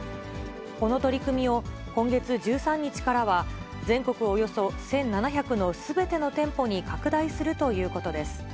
この取り組みを今月１３日からは、全国およそ１７００のすべての店舗に拡大するということです。